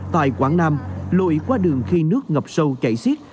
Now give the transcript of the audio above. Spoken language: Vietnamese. tại quảng nam lội qua đường khi nước ngập sâu chảy xiết